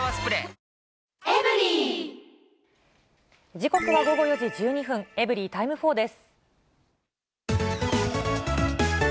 時刻は午後４時１２分、エブリィタイム４です。